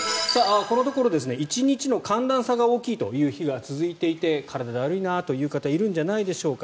このところ、１日の寒暖差が大きいという日が続いていて体がだるいなという人いるんじゃないでしょうか。